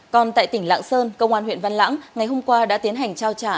còn tại tỉnh lạng sơn công an huyện văn lãng ngày hôm qua đã tiến hành trao trả